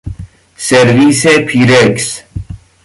سرویس پیرکس